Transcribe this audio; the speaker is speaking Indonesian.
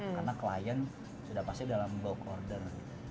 karena klien sudah pasti dalam ball order